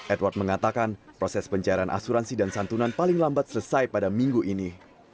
edward mengatakan proses pencairan asuransi dan santunan paling lambat selesai pada minggu ini